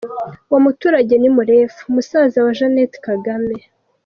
Uwo muturage ni Murefu musaza wa Jeanette Kagame.